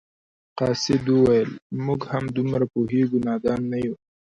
قاصد وویل موږ هم دومره پوهیږو نادان نه یو.